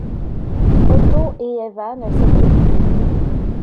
Otto et Eva ne se quittent plus.